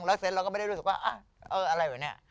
และไม่ได้ดูว่านี่